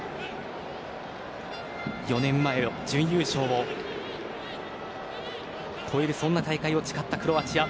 ４年前、準優勝を超えるそんな大会を誓ったクロアチア。